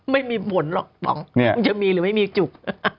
ไม่มีผลหรอกมันจะมีหรือไม่มีจุก